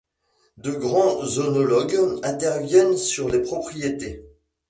De grands œnologues interviennent sur les propriétés.